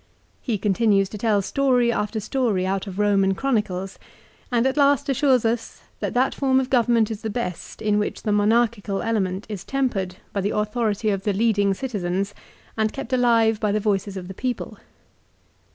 He continues to tell story after story out of the Roman chronicles, and at last assures us that that form of government is the best in which the monarchical element is tempered by the authority of the leading citizens and kept alive by the voices of the people.